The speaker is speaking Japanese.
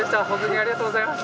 ありがとうございます。